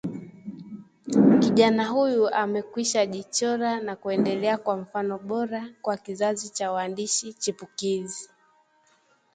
kijana huyu amekwishajichora na kuendelea kuwa mfano bora kwa kizazi cha waandishi chipukizi